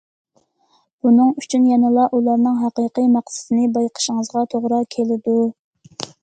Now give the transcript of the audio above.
بۇنىڭ ئۈچۈن يەنىلا ئۇلارنىڭ ھەقىقىي مەقسىتىنى بايقىشىڭىزغا توغرا كېلىدۇ.